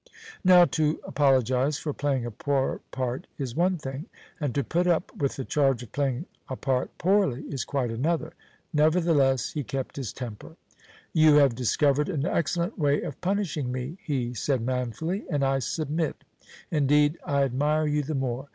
Now to apologize for playing a poor part is one thing, and to put up with the charge of playing a part poorly is quite another. Nevertheless, he kept his temper. "You have discovered an excellent way of punishing me," he said manfully, "and I submit. Indeed, I admire you the more.